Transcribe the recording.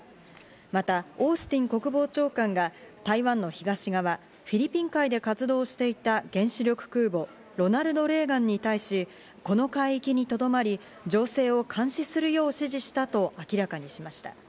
またオースティン国防長官が台湾の東側、フィリピン海で活動していた原子力空母「ロナルド・レーガン」に対し、この海域にとどまり、調整を監視するよう指示したと明らかにしました。